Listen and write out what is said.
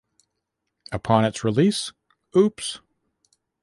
Upon its release, Oops!...